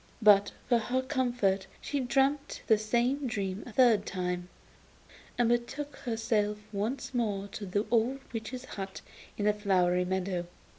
But for her comfort she dreamt the same dream a third time, and betook herself once more to the old witch's hut in the flowery meadow.